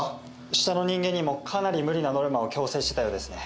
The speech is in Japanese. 下の人間にもかなり無理なノルマを強制してたようですね。